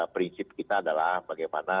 prinsip kita adalah bagaimana